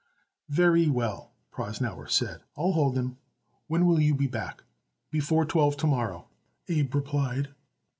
"Very well," Prosnauer said, "I'll hold them. When will you be back?" "Before twelve to morrow," Abe replied.